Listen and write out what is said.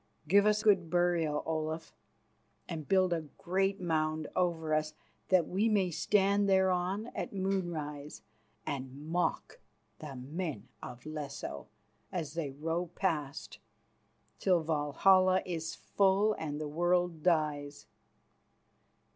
Give us good burial, Olaf, and build a great mound over us, that we may stand thereon at moonrise and mock the men of Lesso as they row past, till Valhalla is full and the world dies.